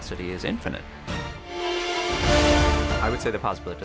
saya akan mengatakan kemungkinan itu tidak berakhir